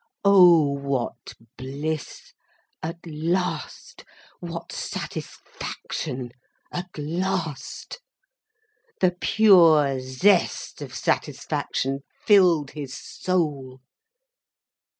Oh what bliss, at last, what satisfaction, at last! The pure zest of satisfaction filled his soul.